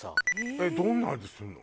えっどんな味するの？